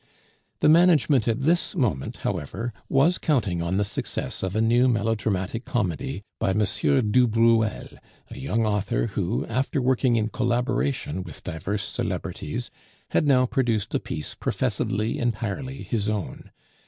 The management at this moment, however, was counting on the success of a new melodramatic comedy by M. du Bruel, a young author who, after working in collaboration with divers celebrities, had now produced a piece professedly entirely his own.